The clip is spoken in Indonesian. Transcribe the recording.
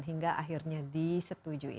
hingga akhirnya disetujui